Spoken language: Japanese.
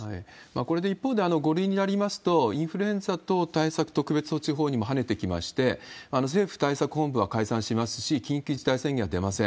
これで、一方で５類になりますと、インフルエンザ等対策特別措置法にもはねてきまして、政府対策本部は解散しますし、緊急事態宣言は出ません。